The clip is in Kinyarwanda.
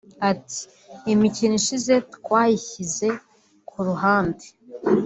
Ati ”Imikino ishize twayishyize ku ruhande